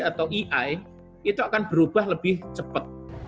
atau ai itu akan berubah lebih cepat